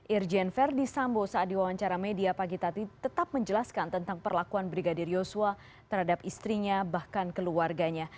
irjen verdi sambo saat diwawancara media pagi tadi tetap menjelaskan tentang perlakuan brigadir yosua terhadap istrinya bahkan keluarganya